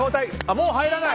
もう入らない。